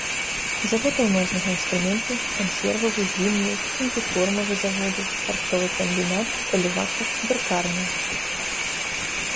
Завод алмазнага інструменту, кансервавы, вінны, камбікормавы заводы, харчовы камбінат, элеватар, друкарня.